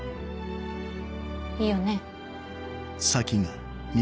いいよね？